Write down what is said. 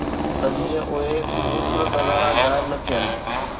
ته جيئن اهي خوبصورت نظارا غائب نه ٿين